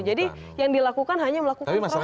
jadi yang dilakukan hanya melakukan cross check